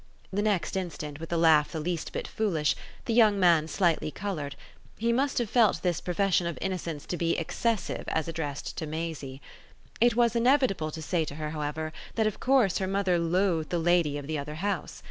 The next instant, with a laugh the least bit foolish, the young man slightly coloured: he must have felt this profession of innocence to be excessive as addressed to Maisie. It was inevitable to say to her, however, that of course her mother loathed the lady of the other house.